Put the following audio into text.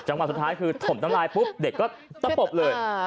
จังหวะสุดท้ายคือท่มต้นลายทีตะปบเลย